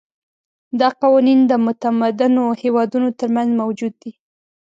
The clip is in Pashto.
دا قوانین د متمدنو هېوادونو ترمنځ موجود دي.